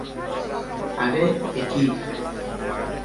আরে, একি!